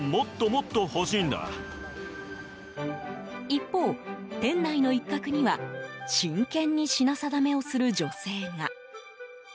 一方、店内の一角には真剣に品定めをする女性が。